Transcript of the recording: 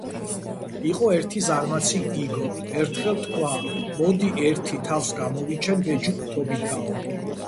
იყო ერთი ზარმაცი გიგო. ერთხელ თქვა: მოდი, ერთი თავს გამოვიჩენ ბეჯითობითაო